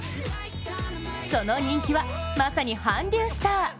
その人気は、まさに韓流スター。